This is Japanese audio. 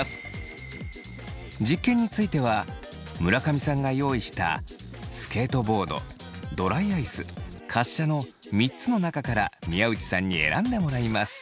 実験については村上さんが用意したスケートボードドライアイス滑車の３つの中から宮内さんに選んでもらいます。